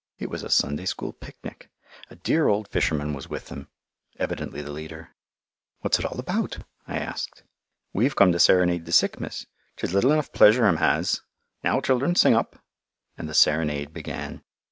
It was a Sunday School picnic. A dear old fisherman was with them, evidently the leader. "What's it all about?" I asked. "We've come to serenade the sick, miss. 'Tis little enough pleasure 'em has. Now, children, sing up"; and the "serenade" began.